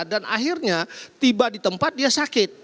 dan akhirnya tiba di tempat dia sakit